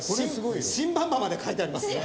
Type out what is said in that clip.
新馬場まで書いてありますね。